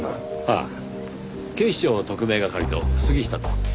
ああ警視庁特命係の杉下です。